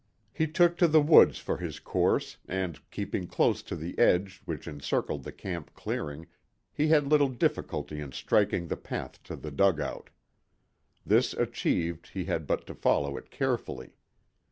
He took to the woods for his course, and, keeping close to the edge which encircled the camp clearing, he had little difficulty in striking the path to the dugout. This achieved he had but to follow it carefully.